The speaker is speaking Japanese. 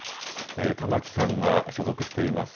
玉木さんが所属しています